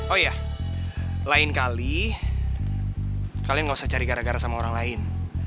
oh ya lain kali kalian gak usah cari gara gara sama orang lain